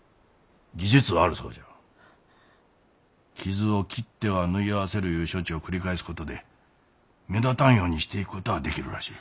傷を切っては縫い合わせるいう処置を繰り返すことで目立たんようにしていくこたあできるらしい。